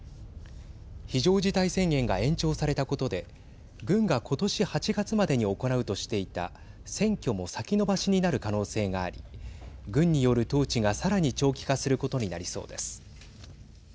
非常事態宣言が延長されたことで軍が今年８月までに行うとしていた選挙も先延ばしになる可能性があり軍による統治が、さらに長期化することになりそうです。